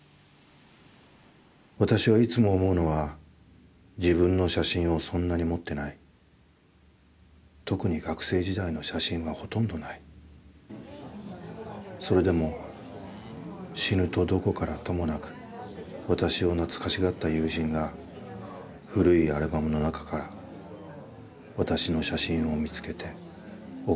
私はいつも思うのは自分の写真をそんなに持ってない、特に学生時代の写真はほとんどない、それでも死ぬとどこからともなく私を懐しがった友人が古いアルバムの中から私の写真を見つけて送ってくれるのか。